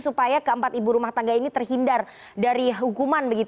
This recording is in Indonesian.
supaya keempat ibu rumah tangga ini terhindar dari hukuman